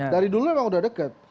dari dulu emang udah deket